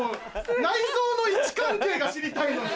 内臓の位置関係が知りたいのに。